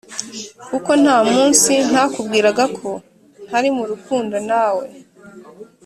kuko ntamunsi ntakubwiraga ko ntarimurukundo nawe."